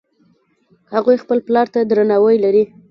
هغوی خپل پلار ته درناوی لري